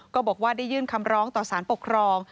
ก็บอกว่าได้ยื่นคำร้องต่อสารปกครอง